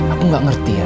aku gak ngerti ya